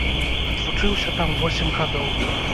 Адвучыўся там восем гадоў.